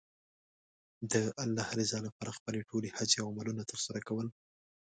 د الله رضا لپاره خپلې ټولې هڅې او عملونه ترسره کول.